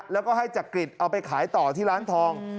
แล้วก็ให้จักริตเอาไปขายต่อที่ร้านทอง